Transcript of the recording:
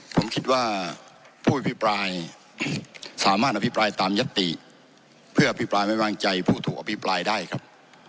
ผมคิดว่าผู้อภิปรายสามารถอภิปรายตามยติเพื่ออภิปรายไม่วางใจผู้ถูกอภิปรายได้ครับ